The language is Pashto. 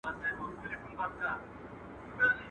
ميږي ته چي خداى په قهر سي، وزرونه ورکي.